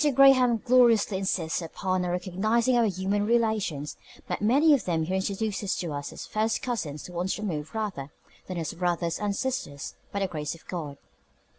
Graham gloriously insists upon our recognizing our human relations, but many of them he introduces to us as first cousins once removed rather than as brothers and sisters by the grace of God.